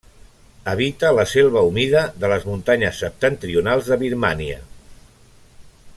Habita la selva humida de les muntanyes septentrionals de Birmània.